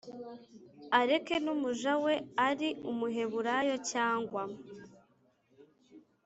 Areke n umuja we ari umuheburayo cyangwa